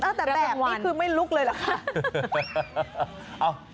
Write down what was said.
เอาแต่แบบนี้คือไม่ลุกเลยเหรอคะ